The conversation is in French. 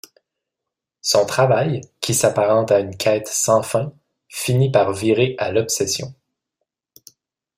Son travail, qui s'apparente à une quête sans fin, finit par virer à l'obsession.